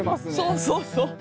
そうそうそう。